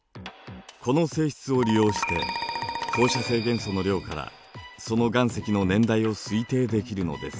この性質を利用して放射性元素の量からその岩石の年代を推定できるのです。